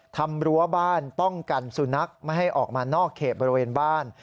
รั้วบ้านป้องกันสุนัขไม่ให้ออกมานอกเขตบริเวณบ้าน